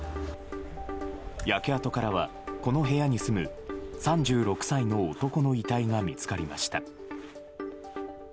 焼け跡からは、この部屋に住む３６歳の男の遺体が見つかりました。